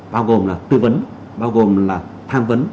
bao gồm là tư vấn bao gồm là tham vấn